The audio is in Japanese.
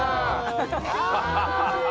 ハハハハ！